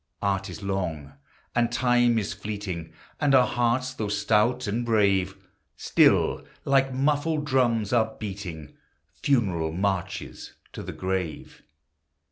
Art is long, and Time is fleeting, And our hearts, though stout and brave, Still, like muffled drums, are beating Funeral marches to the grave.